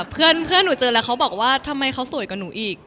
เพื่อนหนูเจอแล้วเขาบอกว่าทำไมเขาสวยกว่าหนูอีก